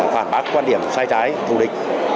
phản bác quan điểm sai trái thù địch